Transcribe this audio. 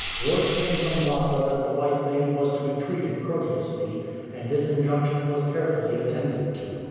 Word came from Lhasa that the white lady was to be treated courteously, and this injunction was carefully attended to.